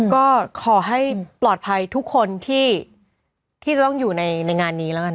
ก็ขอให้ปลอดภัยทุกคนที่จะต้องอยู่ในงานนี้แล้วกัน